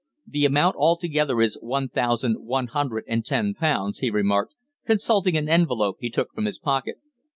"The amount altogether is one thousand one hundred and ten pounds," he remarked, consulting an envelope he took from his pocket.